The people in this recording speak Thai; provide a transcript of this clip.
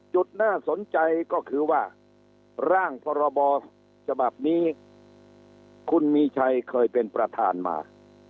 น่าสนใจก็คือว่าร่างพรบฉบับนี้คุณมีชัยเคยเป็นประธานมา